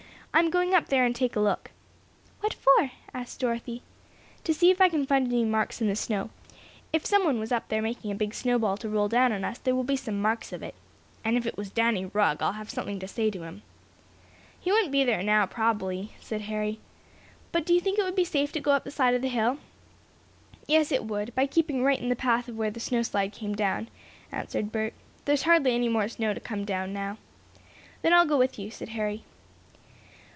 "I'm going up there and take a look." "What for?" asked Dorothy. "To see if I can find any marks in the snow. If someone was up there making a big snow ball to roll down on us there will be some marks of it. And if it was Danny Rugg I'll have something to say to him." "He wouldn't be there now, probably," said Harry. "But do you think it would be safe to go up the side of the hill?" "Yes, it would, by keeping right in the path of where the snow slide came down," answered Bert. "There's hardly any more snow to come down, now." "Then I'll go with you," said Harry.